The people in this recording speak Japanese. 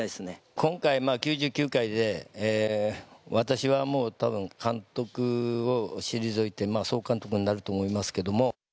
今回、９９回で私はもうたぶん、監督を退いて、総監督になると思いますけども。